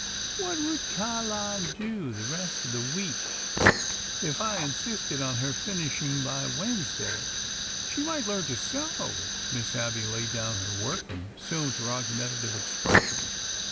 '' What would Caline do the rest of the week if I in sisted on her finishing by Wednesday?'' She might learn to sew." Miss Abby laid down her work and assumed her argumentative expression.